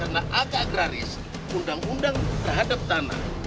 karena agak graris undang undang terhadap tanah